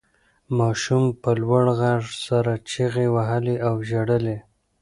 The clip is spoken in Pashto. ماشوم په لوړ غږ سره چیغې وهلې او ژړل یې.